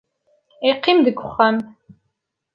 Iqqim deg-gexxam.